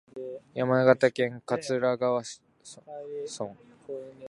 山形県鮭川村